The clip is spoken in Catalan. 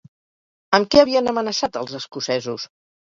Amb què havien amenaçat els escocesos?